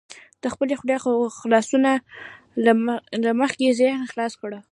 د خپلې خولې خلاصولو څخه مخکې ذهن خلاص کړه.